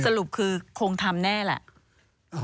สรุปคือคงทำแน่แหละ